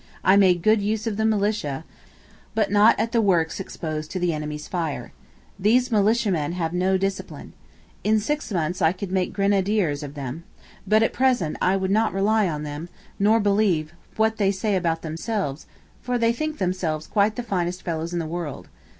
... I made good use of the militia, but not at the works exposed to the enemy's fire. These militiamen have no discipline. In six months I could make grenadiers of them. But at present I would not rely on them, nor believe what they say about themselves; for they think themselves quite the finest fellows in the world.